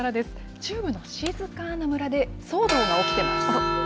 中部の静かな村で騒動が起きています。